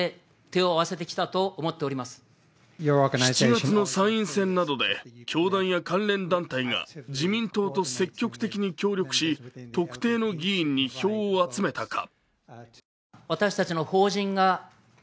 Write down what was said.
７月の参院選などで教団や関連団体などが自民党と積極的に協力し特定の議員に票を集めたか？